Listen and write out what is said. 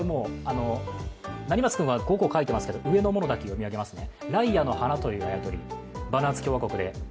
成松君は５個書いてますけど上のものだけ読み上げますね。